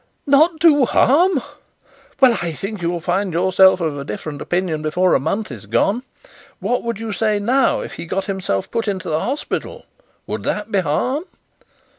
'Not do harm! Well I think you'll find yourself of a different opinion before a month is gone. What would you say now, if he got himself put into the hospital? Would that be harm?'